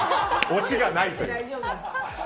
オチがないという。